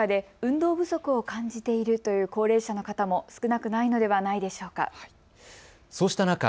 長引くコロナ禍で運動不足を感じているという高齢者の方も少なくないのではないでしょうか。